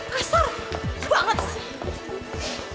kasar gwanget sih